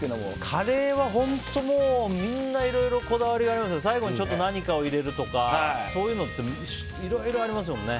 カレーはみんないろいろこだわりあるけど最後にちょっと何かを入れるとかそういうのっていろいろありますもんね。